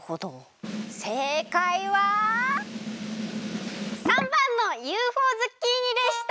せいかいは③ばんのＵＦＯズッキーニでした！